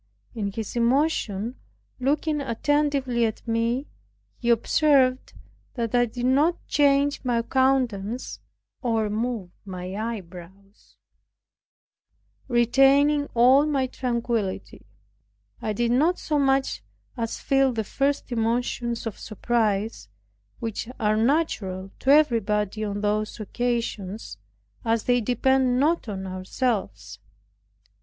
In his emotion looking attentively at me, he observed that I did not change my countenance, or move my eyebrows, retaining all my tranquillity. I did not so much as feel the first emotions of surprise, which are natural to everybody on those occasions, as they depend not on ourselves.